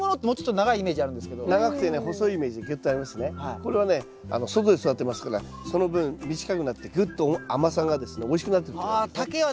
これはね外で育てますからその分短くなってグッと甘さがですねおいしくなってると思いますね。